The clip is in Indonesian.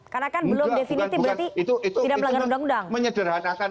karena kan belum definitif berarti tidak melanggar undang undang